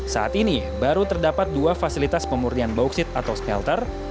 saat ini baru terdapat dua fasilitas pemurnian bauksit atau smelter